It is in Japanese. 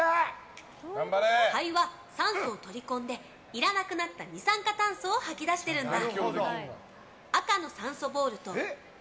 肺は酸素を取り込んでいらなくなった二酸化炭素を吐き出してるんだ。